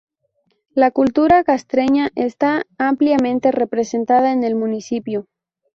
La cultura castreña esta ampliamente representada en el municipio.